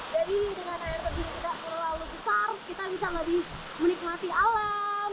jadi dengan air terjun yang tidak terlalu besar kita bisa lebih menikmati alam